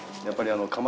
やっぱり。